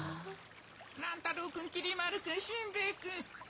乱太郎君きり丸君しんべヱ君。